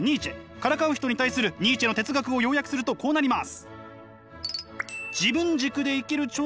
からかう人に対するニーチェの哲学を要約するとこうなります。